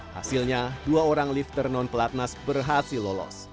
hasilnya dua orang lifter non pelatnas berhasil lolos